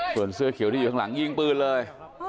ส่วนเสื้อเขียวที่อยู่ข้างหลังยิงปืนเลย